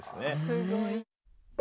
すごい。